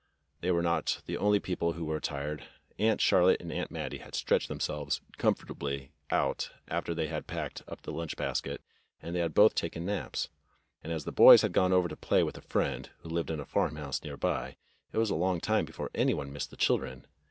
They were not the only people who were tired. Aunt Charlotte and Aunt Mattie had stretched themselves comfortably out after they had packed up the lunch basket, and they had both taken naps; and as the boys had gone over to play with a friend who lived in a farmhouse near by, it was a long time before any one missed the children.